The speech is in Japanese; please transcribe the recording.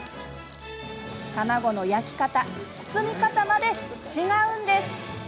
卵の焼き方包み方まで違うんです！